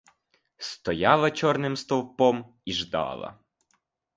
Стояла чорним стовпом і ждала.